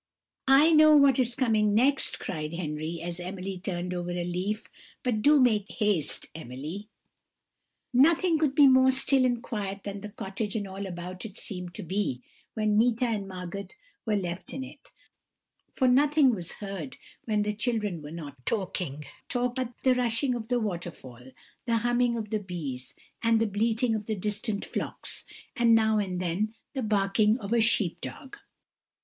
"I know what is coming next," cried Henry, as Emily turned over a leaf; "but do make haste, Emily." "Nothing could be more still and quiet than the cottage and all about it seemed to be when Meeta and Margot were left in it; for nothing was heard, when the children were not talking, but the rushing of the waterfall, the humming of the bees, and the bleating of the distant flocks, and now and then the barking of a sheep dog.